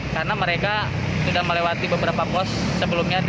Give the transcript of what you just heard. karena mereka sudah melewati beberapa pos sebelumnya